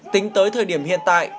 tính tới thời điểm hiện tại